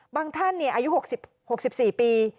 ท่านอายุ๖๔ปี